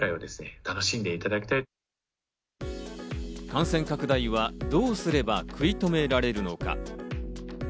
感染拡大はどうすれば食い止められるのか。